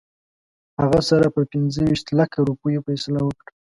هغه سره پر پنځه ویشت لکه روپیو فیصله وکړه.